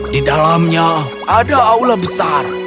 di dalamnya ada aula besar